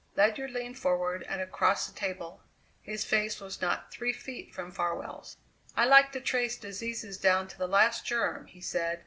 Ledyard leaned forward and across the table; his face was not three feet from Farwell's. "I like to trace diseases down to the last germ," he said.